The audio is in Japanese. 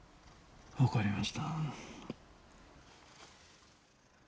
わかりました。